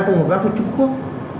không hợp tác với trung quốc